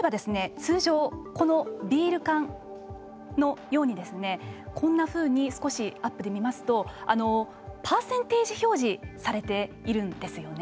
通常このビール缶のようにこんなふうに少しアップで見ますとパーセンテージ表示されているんですよね。